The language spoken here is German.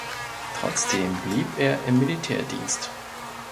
Trotzdem blieb er im Militärdienst.